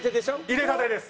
入れたてです。